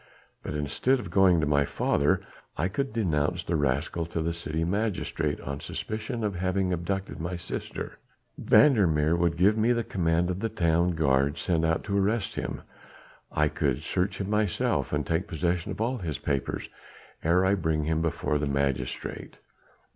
But, instead of going to my father, I could denounce the rascal to the city magistrate on suspicion of having abducted my sister. Van der Meer would give me the command of the town guard sent out to arrest him, I could search him myself and take possession of all his papers ere I bring him before the magistrate."